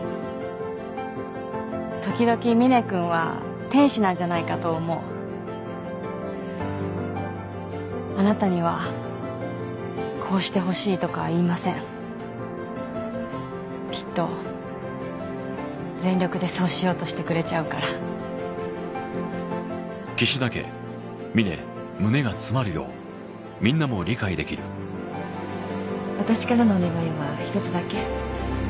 時々みね君は天使なんじゃないかと思あなたにはこうしてほしいとかは言いませんきっと全力でそうしようとしてくれ「私からのお願いは一つだけ」